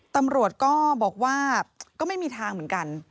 ตำรวจก็บอกว่าก็ไม่มีทางเหมือนกัน